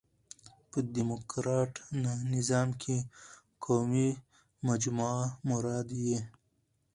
په ډيموکراټ نظام کښي قومي مجموعه مراد يي.